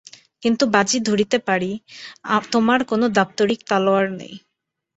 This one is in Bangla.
কিন্তু বাজি ধরতে পারি তোমার কোন দাপ্তরিক তলোয়ার নেই।